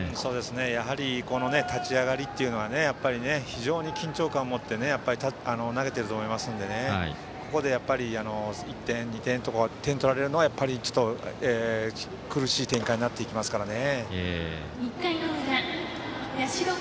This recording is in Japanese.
やはり、立ち上がりは非常に緊張感を持って投げていると思いますのでここで１点、２点とか点を取られるのはちょっと苦しい展開になっていきますからね。